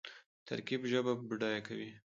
ترکیب ژبه بډایه کوي.